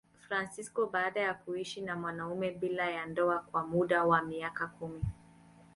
Fransisko baada ya kuishi na mwanamume bila ya ndoa kwa muda wa miaka kumi.